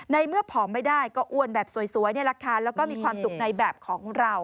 ในเมื่อผอมไม่ได้ก็อ้วนแบบสวยนี่แหละค่ะแล้วก็มีความสุขในแบบของเรา